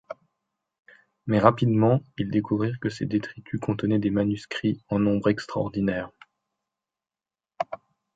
Mais rapidement, ils découvrirent que ces détritus contenaient des manuscrits en nombre extraordinaire.